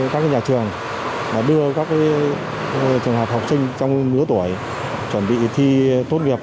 các nhà trường đưa các trường hợp học sinh trong nửa tuổi chuẩn bị thi tốt nghiệp